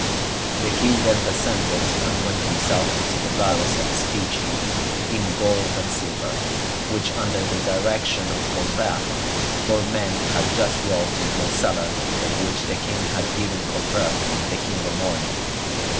The king then descended and went himself to see the barrels of specie, in gold and silver, which, under the direction of Colbert, four men had just rolled into a cellar of which the king had given Colbert the key in the morning.